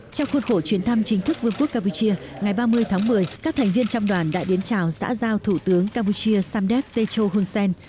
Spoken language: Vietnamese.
trong khuôn khổ chuyến thăm chính thức vương quốc campuchia ngày ba mươi tháng một mươi các thành viên trong đoàn đã đến chào xã giao thủ tướng campuchia samdek techo hunsen